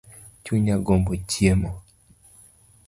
Chunya gombo chiemo